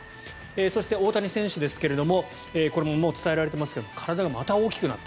そして大谷選手ですがこれももう伝えられていますが体がまた大きくなった。